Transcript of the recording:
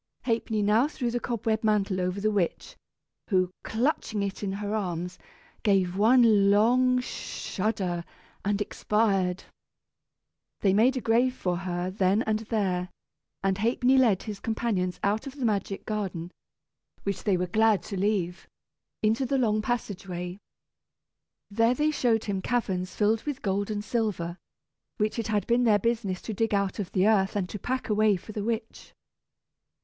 Ha'penny now threw the cobweb mantle over the witch, who, clutching it in her arms, gave one long shudder and expired. They made a grave for her then and there; and Ha'penny led his companions out of the magic garden, which they were glad to leave, into the long passage way. There they showed him caverns filled with gold and silver, which it had been their business to dig out of the earth and to pack away for the witch.